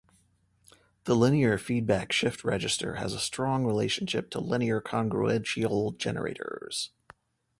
The linear feedback shift register has a strong relationship to linear congruential generators.